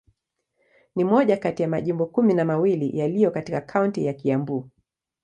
Ni moja kati ya majimbo kumi na mawili yaliyo katika kaunti ya Kiambu.